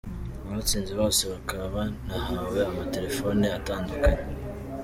Abatsinze bose bakaba banahawe amatelefone atandukanye.